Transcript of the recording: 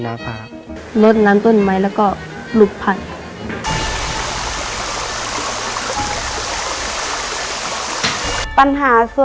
ในแคมเปญพิเศษเกมต่อชีวิตโรงเรียนของหนู